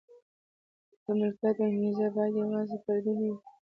د ملکیت انګېزه باید یوازې فردي نه وي.